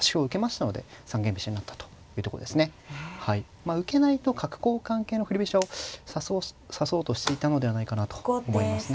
まあ受けないと角交換系の振り飛車を指そうとしていたのではないかなと思いますね。